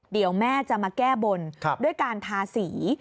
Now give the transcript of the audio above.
เดี๋ยวแม่จะมาแก้บนด้วยการทาสี